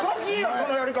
そのやり方。